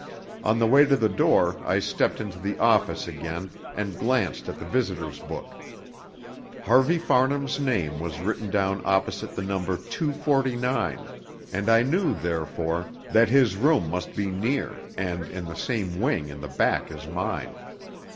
On the way to the door I stepped into the "office" again and glanced at the visitors' book. Harvey Farnham's name was written down opposite the number 249, and I knew, therefore, that his room must be near, and in the same wing in the back as mine.